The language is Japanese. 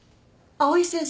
藍井先生？